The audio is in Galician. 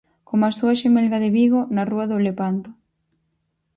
Como a súa xemelga de Vigo, na Rúa do Lepanto.